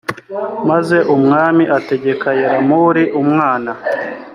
maze umwami ategeka yeram li umwana